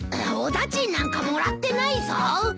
お駄賃なんかもらってないぞ！